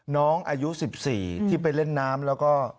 น้องอายุ๑๔ที่ไปเล่นน้ำแล้วก็